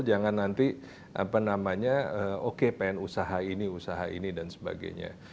jangan nanti apa namanya oke pengen usaha ini usaha ini dan sebagainya